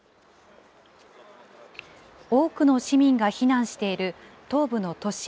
多くの市民が避難している東部の都市